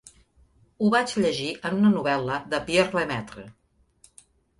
Ho vaig llegir en una novel·la de Pierre Lemaitre.